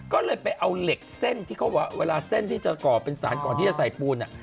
ก็เลยไปเอาเหล็กเส้นที่เขาว่าเวลาเส้นที่จะก่อเป็นสารก่อนที่จะใส่ปูน